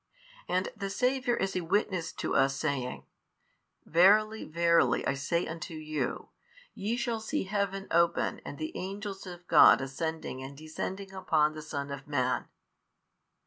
And the Saviour is a witness to us saying, Verily verily I say unto you, ye shall see heaven open and the angels of God ascending and descending upon the Son of Man.